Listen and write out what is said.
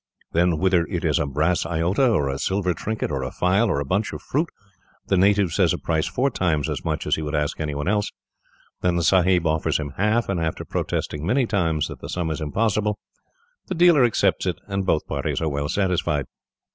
Then, whether it is a brass iota, or a silver trinket, or a file, or a bunch of fruit, the native says a price four times as much as he would ask anyone else. Then the sahib offers him half, and after protesting many times that the sum is impossible, the dealer accepts it, and both parties are well satisfied.